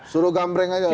suruh gambreng aja